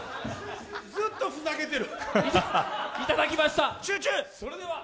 ずっとふざけてる。